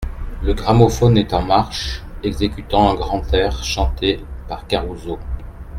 Le gramophone est en marche exécutant un grand air chanté par Caruso.